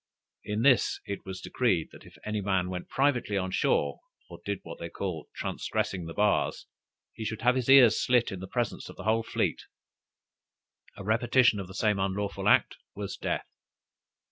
In this it was decreed, that if any man went privately on shore, or did what they called "transgressing the bars," he should have his ears slit in the presence of the whole fleet; a repetition of the same unlawful act, was death!